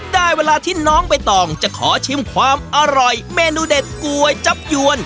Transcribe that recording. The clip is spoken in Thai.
ได้เวลาที่น้องใบตองจะขอชิมความอร่อยเมนูเด็ดก๋วยจับยวน